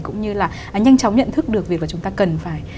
cũng như là nhanh chóng nhận thức được việc là chúng ta cần phải